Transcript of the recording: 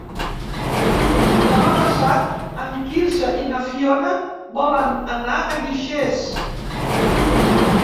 Demà passat en Quirze i na Fiona volen anar a Guixers.